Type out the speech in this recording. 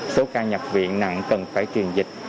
số ca nhập viện nặng cần phải truyền dịch